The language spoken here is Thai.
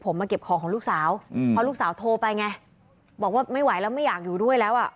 พอลูกสาวโทรไปไงบอกว่าไม่ไหวแล้วไม่อยากอยู่ด้วยแล้ว